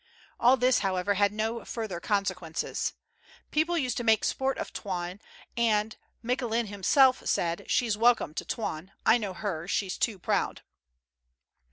All this, however, had no further consequences. People used to make sport of Toine, and Micoulin himself said :" She's welcome to Toine; I know her, she's too proud."